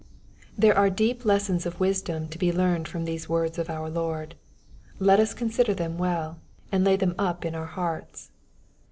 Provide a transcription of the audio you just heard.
There are deep lessons of wisdom to be learned from these words of our Lord. Let us consider them well, and lay them up in our hearts.